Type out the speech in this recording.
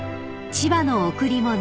［『千葉の贈り物』］